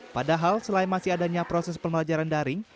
padahal selain masih adanya proses pembelajaran daring